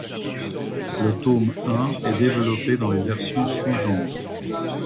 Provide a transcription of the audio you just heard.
Le tome I est développé dans les versions suivantes.